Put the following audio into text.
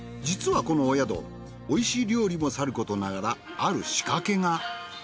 実はこのお宿おいしい料理もさることながらある仕掛けが。